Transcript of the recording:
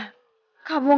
ketika kau menghilang